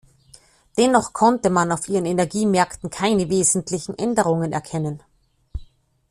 Dennoch konnte man auf ihren Energiemärkten keine wesentlichen Änderungen erkennen.